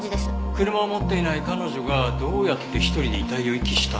車を持っていない彼女がどうやって１人で遺体を遺棄したんだろう？